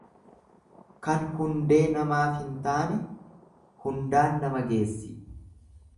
Kan hundee namaaf hin taane hundaan nama geessi.